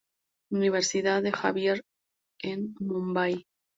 Universidad de Xavier en Mumbai.